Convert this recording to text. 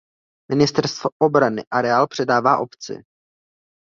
Ministerstvo obrany areál předává obci.